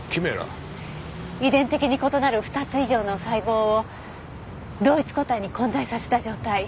遺伝的に異なる２つ以上の細胞を同一個体に混在させた状態。